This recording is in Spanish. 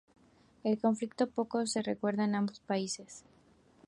El conflicto poco se recuerda en ambos países.